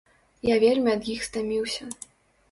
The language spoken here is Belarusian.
Я вельмі ад іх стаміўся.